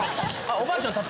おばあちゃん